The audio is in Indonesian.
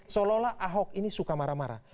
seolah olah ahok ini suka marah marah